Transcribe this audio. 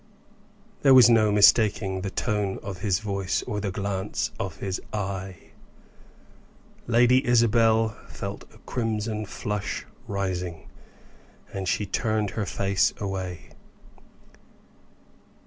There was no mistaking the tone of his voice or the glance of his eye. Lady Isabel felt a crimson flush rising and she turned her face away.